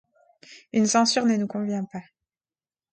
Une censure ne nous convient pas.